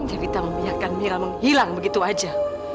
evita membiarkan mira menghilang begitu aja